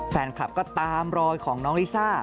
แฟนคลับก็ตามรอยของน้องลิซ่า